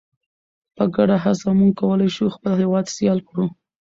په ګډه هڅه موږ کولی شو خپل هیواد سیال کړو.